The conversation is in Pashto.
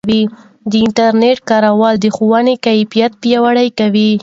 د انټرنیټ کارول د ښوونې کیفیت پیاوړی کوي.